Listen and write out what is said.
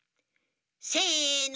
せの！